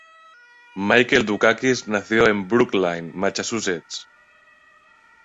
Michael Dukakis nació en Brookline, Massachusetts.